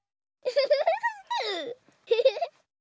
フフフ。